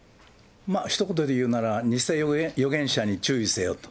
ひと言で言うなら、偽預言者に注意せよと。